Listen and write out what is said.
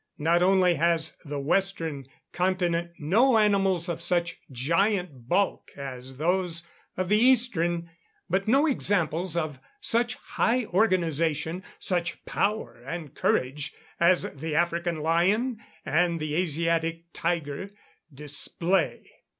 Not only has the western continent no animals of such giant bulk as those of the eastern, but no examples of such high organisation, such power and courage, as the African lion and the Asiatic tiger display.